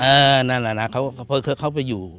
เออนั่นล่ะนะเขาไปอยู่